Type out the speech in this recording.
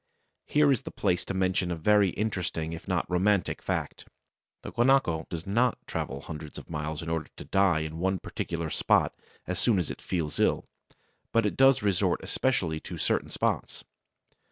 Here is the place to mention a very interesting, if not romantic, fact. The guanaco does not travel hundreds of miles in order to die in one particular spot as soon as it feels ill, but it does resort especially to certain spots.